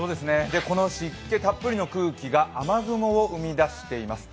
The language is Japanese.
この湿気たっぷりの空気が雨雲を生み出しています。